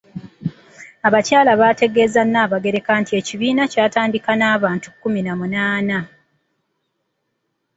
Abakyala baategeezezza Nabagereka nti ekibiina kyatandika n'abantu kkumi na munaana.